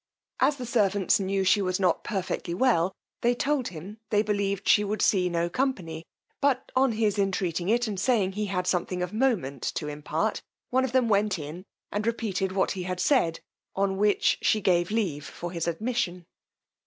As the servants knew she was not perfectly well, they told him, they believed she would see no company; but on his entreating it, and saying he had something of moment to impart, one of them went in and repeated what he had said, on which she gave leave for his admission.